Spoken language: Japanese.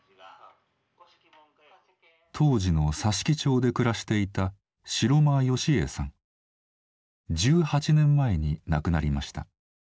当時の佐敷町で暮らしていた１８年前に亡くなりました。